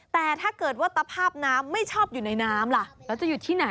แต่ถ้าเกิดว่าตภาพน้ำไม่ชอบอยู่ในน้ำล่ะแล้วจะอยู่ที่ไหน